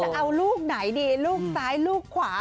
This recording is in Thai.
จะเอาลูกไหนดีลูกซ้ายลูกขวา